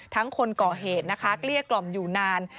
คนก่อเหตุนะคะเกลี้ยกล่อมอยู่นาน